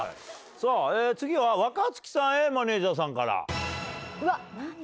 次は若槻さんへマネジャーさんから。